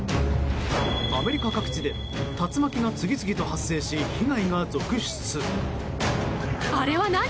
アメリカ各地で竜巻が次々と発生し被害が続出。